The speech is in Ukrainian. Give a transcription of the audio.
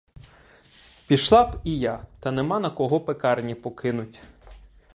Пішла б і я, та нема на кого пекарні покинуть.